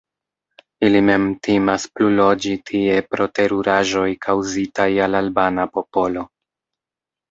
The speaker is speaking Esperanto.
Ili mem timas pluloĝi tie pro teruraĵoj kaŭzitaj al albana popolo.